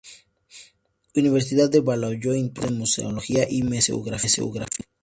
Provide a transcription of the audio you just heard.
Universidad de Valladolid y Profesor de Museología y Museografía.